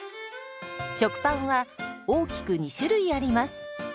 食パンは大きく２種類あります。